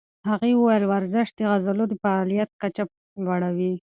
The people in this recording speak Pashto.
هغې وویل ورزش د عضلو د فعالیت کچه لوړوي.